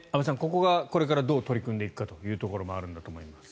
ここがこれからどう取り組んでいくかというところもあるんだと思います。